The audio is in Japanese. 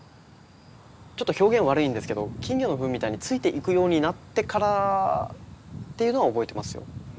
ちょっと表現悪いんですけど金魚のフンみたいについていくようになってからっていうのは覚えてますよ。